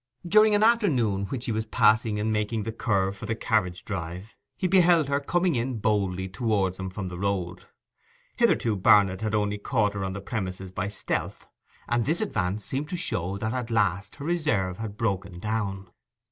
During an afternoon which he was passing in marking the curve for the carriage drive, he beheld her coming in boldly towards him from the road. Hitherto Barnet had only caught her on the premises by stealth; and this advance seemed to show that at last her reserve had broken down.